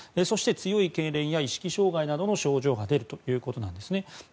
そして、強いけいれんや意識障害などの症状が出るということです。